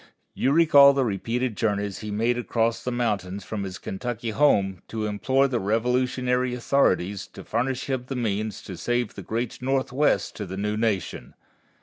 You recall the repeated journeys he made across the mountains from his Kentucky home to implore the Revolutionary authorities to furnish him the means to save the great Northwest to the new nation.